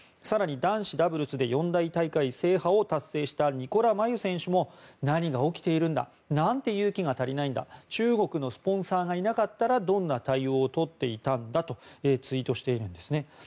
更に、男子ダブルスで四大大会制覇を達成したニコラ・マユ選手も何が起きているんだなんて勇気が足りないんだ中国のスポンサーがいなかったらどんな対応をとっていたんだとツイートしているんですね。